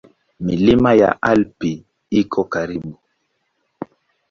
Milima ya Alpi iko karibu.